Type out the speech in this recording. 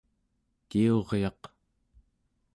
kiuryaq